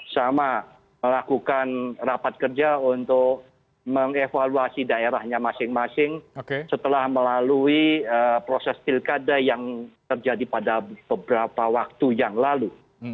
sama melakukan rapat kerja untuk mengevaluasi daerahnya masing masing setelah melalui proses pilkada yang terjadi pada beberapa waktu yang lalu